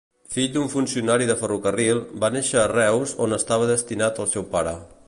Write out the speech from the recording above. Fill d'un funcionari de ferrocarril, va néixer a Reus on estava destinat el seu pare.